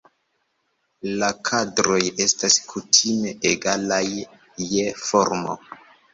La kadroj estas kutime egalaj je formo.